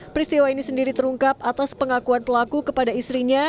peristiwa ini sendiri terungkap atas pengakuan pelaku kepada istrinya